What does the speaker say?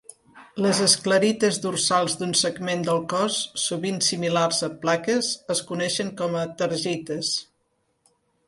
Les esclerites dorsals d'un segment del cos, sovint similars a plaques, es coneixen com a "tergites".